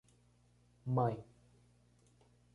Mãe